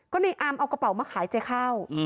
ก็ในอามเอากระเป๋ามาขายเจ๊ข้าว